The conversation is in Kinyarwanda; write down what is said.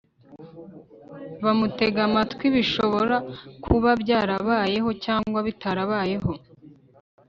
bamutega amatwi, bishobora kuba byarabayeho cyangwa bitarabayeho